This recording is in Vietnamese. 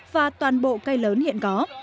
và toàn bộ cây lớn hiện có